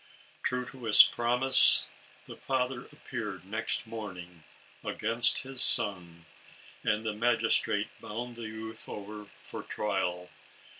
True to his promise, the father appeared, next morning, against his son, and the magistrate bound the youth over for trial.